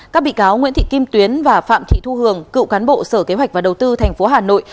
các bị cáo nguyễn thị kim tuyến và phạm thị thu hường cựu cán bộ sở kế hoạch và đầu tư tp hà nội